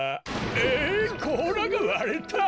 えっこうらがわれた！？